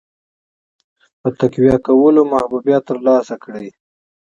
په تقویه کولو محبوبیت ترلاسه کړي.